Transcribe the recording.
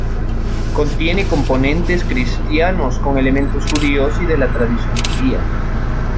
Contiene componentes cristianos con elementos judíos y de la tradición judía.